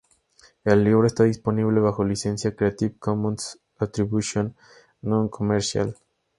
El libro está disponible bajo licencia Creative Commons Attribution-Noncommercial.